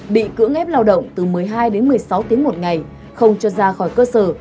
bị cưỡng ép lao động từ một mươi hai đến một mươi sáu tiếng một ngày không cho ra khỏi cơ sở